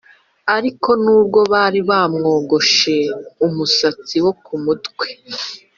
Ariko nubwo bari bamwogoshe umusatsi wo ku mutwe